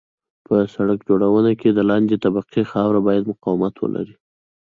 په سرک جوړونه کې د لاندنۍ طبقې خاوره باید مقاومت ولري